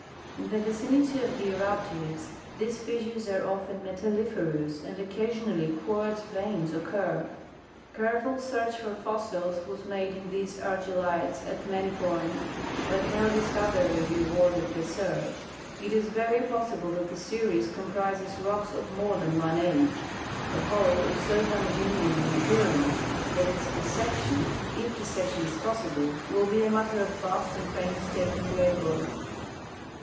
In the vicinity of the eruptives these fissures are often metalliferous, and occasional quartz veins occur. Careful search for fossils was made in these argillites at many points, but no discovery rewarded the search. It is very possi ble that the series comprises rocks of more than one age. The whole is so homogeneous in appearance that its dissection, if dissection is possible, will ha a matter of vast and painstaking labor.